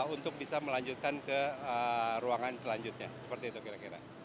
untuk bisa melanjutkan ke ruangan selanjutnya seperti itu kira kira